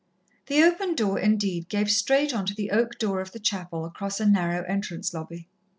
The open door, indeed, gave straight on to the oak door of the chapel across a narrow entrance lobby.